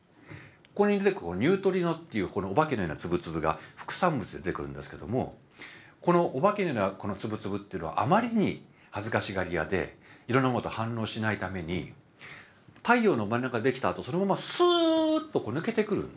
ここに出てくるニュートリノっていうこのお化けのような粒々が副産物で出てくるんですけどもこのお化けのような粒々っていうのはあまりに恥ずかしがり屋でいろんなものと反応しないために太陽の真ん中でできたあとそのままスーッとこう抜けてくるんですね。